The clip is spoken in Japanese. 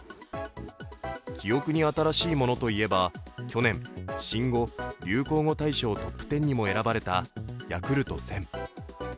記憶に新しいものといえば去年新語・流行語大賞トップ１０にも選ばれたヤクルト１０００。